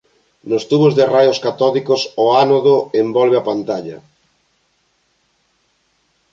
Nos tubos de raios catódicos o ánodo envolve a pantalla.